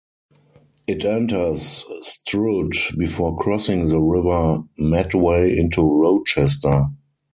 It enters Strood before crossing the River Medway into Rochester.